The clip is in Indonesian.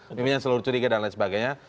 pemimpin yang selalu curiga dan lain sebagainya